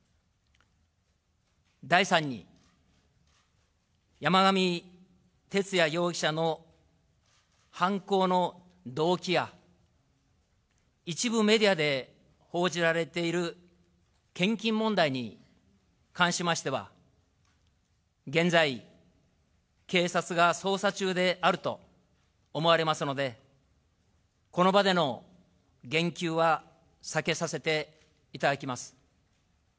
第三に、山上徹也容疑者の犯行の動機や、一部メディアで報じられている献金問題に関しましては、現在、警察が捜査中であると思われますので、この場での言及は避けさせていただきます。